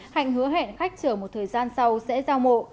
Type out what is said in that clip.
hạnh hứa hẹn khách chở một thời gian sau sẽ giao mộ